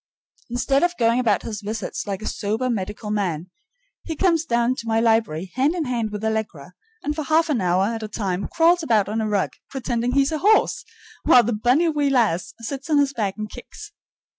Instead of going about his visits like a sober medical man, he comes down to my library hand in hand with Allegra, and for half an hour at a time crawls about on a rug, pretending he's a horse, while the bonnie wee lassie sits on his back and kicks.